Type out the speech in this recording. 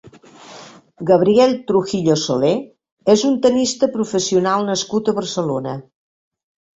Gabriel Trujillo-Soler és un tennista professional nascut a Barcelona.